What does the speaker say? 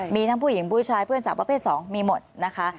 มีทั้งผู้หญิงผู้ชายเพื่อนสาวประเภท๒มีหมดนะคะ